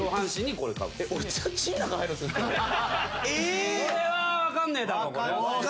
これは分かんねえだろ。